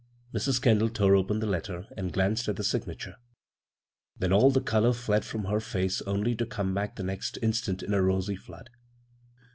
" Mrs. Kendall tore open the letter and glanced at the signature ; then all ^e color fled from her face only to come back the next instant in a rosy flood.